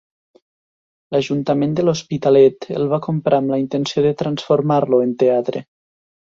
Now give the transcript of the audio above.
L'Ajuntament de l'Hospitalet el va comprar amb la intenció de transformar-lo en teatre.